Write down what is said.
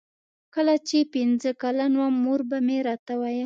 کله چې پنځه کلن وم مور به مې راته ویل.